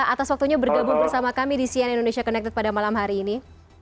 atas waktunya bergabung bersama kami di cnn indonesia connected pada malam hari ini